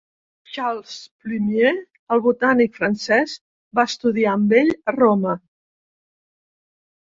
Charles Plumier, el botànic francès, va estudiar amb ell a Roma.